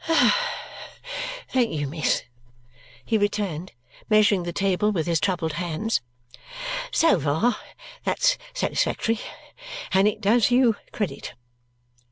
"Thank you, miss," he returned, measuring the table with his troubled hands. "So far that's satisfactory, and it does you credit.